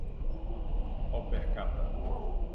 Alpercata